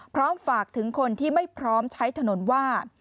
พร้อมฝากถึงคนที่ไม่พร้อมใช้ถนนว่า